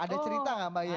ada cerita gak mbak ia